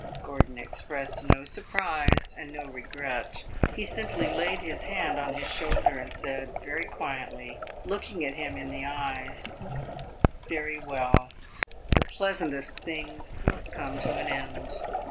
Gordon expressed no surprise and no regret. He simply laid his hand on his shoulder and said, very quietly, looking at him in the eyes "Very well; the pleasantest things must come to an end."